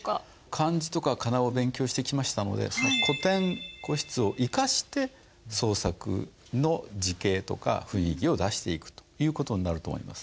漢字とか仮名を勉強してきましたのでその古典・古筆を生かして創作の字形とか雰囲気を出していくという事になると思います。